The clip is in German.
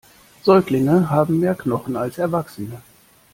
Säuglinge haben mehr Knochen als Erwachsene.